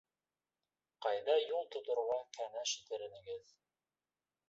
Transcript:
Ҡайҙа юл тоторға кәңәш итер инегеҙ?